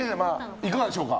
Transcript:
いかがでしょうか。